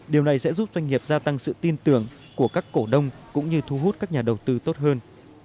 điều này sẽ giúp doanh nghiệp gia tăng sự tin tưởng của các cổ đông cũng như thu hút các nhà đầu tư tốt hơn